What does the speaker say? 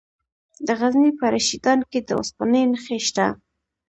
د غزني په رشیدان کې د اوسپنې نښې شته.